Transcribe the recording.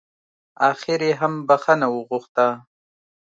اخر يې هم بښنه وغوښته.